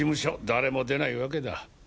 誰も出ないわけだ。